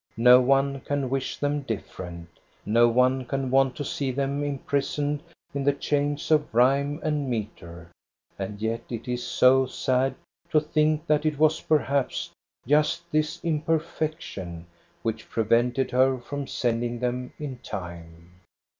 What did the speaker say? No one can wish them differ ent. No one can want to see them imprisoned in the chains of rhyme and metre, and yet it is so sad to think that it was perhaps just this imperfection which prevented her from sending them in time.